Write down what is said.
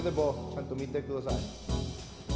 ちゃんとみてください。